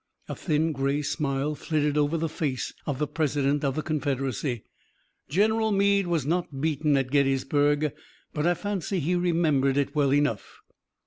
A thin gray smile flitted over the face of the President of the Confederacy. "General Meade was not beaten at Gettysburg, but I fancy he remembered it well enough."